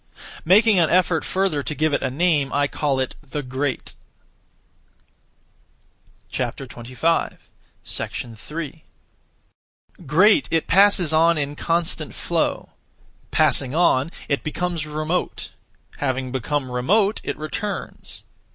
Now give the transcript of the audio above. Making an effort (further) to give it a name I call it The Great. 3. Great, it passes on (in constant flow). Passing on, it becomes remote. Having become remote, it returns.